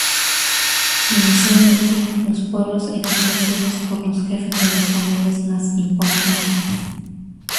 Inicialmente, los pueblos eran regidos por los jefes de las familias más importantes.